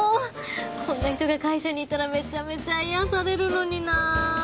こんな人が会社にいたらめちゃめちゃ癒やされるのになぁ。